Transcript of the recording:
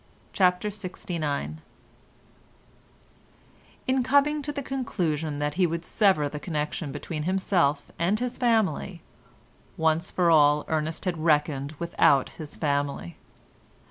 CHAPTER LXIX In coming to the conclusion that he would sever the connection between himself and his family once for all Ernest had reckoned without his family.